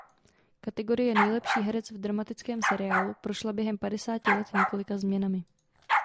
Kategorie "Nejlepší herec v dramatickém seriálu" prošla během padesáti let několika změnami.